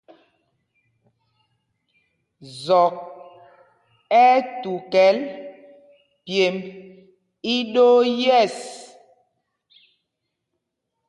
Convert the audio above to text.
Zɔk ɛ́ ɛ́ tukɛl pyêmb íɗoo yɛ̂ɛs.